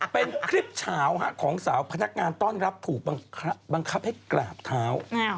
เป็นคลิปเฉาของสาวพนักงานต้อนรับถูกบังคับให้กราบเท้า